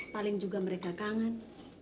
paling juga mereka kangen